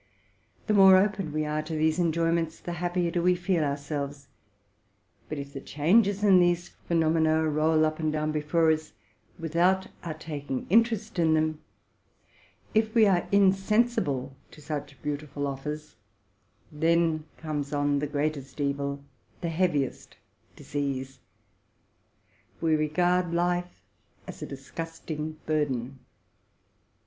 The more open we are to these en joyments, the happier do we feel ourselves; but if the changes in these phenomena roll up and down before us without our taking interest in them, if we are insensible to such beautiful offers, then comes on the greatest evil, the heaviest disease: we regard life as a disgusting burden.